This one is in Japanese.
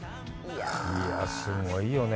いや、すごいよね。